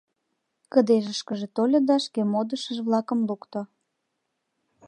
Кыдежышкыже тольо да шке модышыж-влакым лукто.